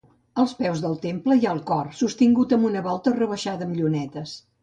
Als peus del temple hi ha el cor, sostingut amb una volta rebaixada amb llunetes.